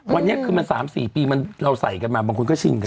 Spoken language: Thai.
วันนี้คือมัน๓๔ปีเราใส่กันมาบางคนก็ชิงกัน